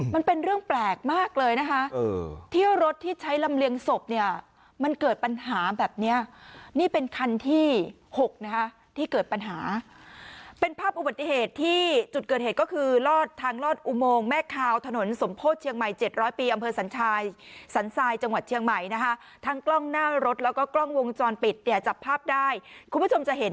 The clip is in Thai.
มันเป็นเรื่องแปลกมากเลยนะคะที่รถที่ใช้ลำเลียงศพเนี่ยมันเกิดปัญหาแบบเนี้ยนี่เป็นคันที่๖นะคะที่เกิดปัญหาเป็นภาพอุบัติเหตุที่จุดเกิดเหตุก็คือลอดทางลอดอุโมงแม่คาวถนนสมโพธิเชียงใหม่๗๐๐ปีอำเภอสัญชายสันทรายจังหวัดเชียงใหม่นะคะทั้งกล้องหน้ารถแล้วก็กล้องวงจรปิดเนี่ยจับภาพได้คุณผู้ชมจะเห็น